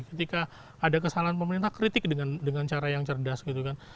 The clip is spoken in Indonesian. ketika ada kesalahan pemerintah kritik dengan cara yang cerdas gitu kan